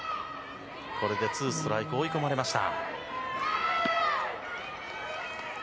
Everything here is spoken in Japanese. これで、ツーストライク追い込まれました。